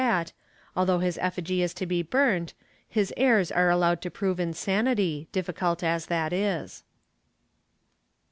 198 THE STAKE [Book VII although his effigy is to be burnt, his heirs are allowed to prove insanity, difficult as that is.